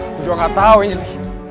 aku juga gak tau anjali